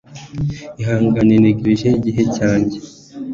Ihangane ntegereje igihe cyanjye